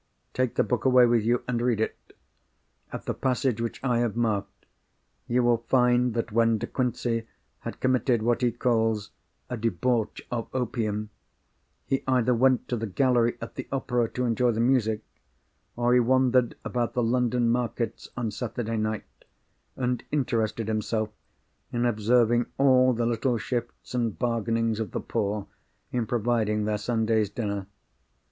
Take the book away with you, and read it. At the passage which I have marked, you will find that when De Quincey had committed what he calls 'a debauch of opium,' he either went to the gallery at the Opera to enjoy the music, or he wandered about the London markets on Saturday night, and interested himself in observing all the little shifts and bargainings of the poor in providing their Sunday's dinner.